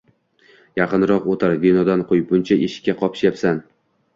Yaqinroq oʻtir, vinodan quy! Buncha eshikka qapishyapsan?